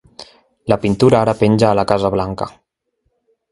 La pintura ara penja a la Casa Blanca.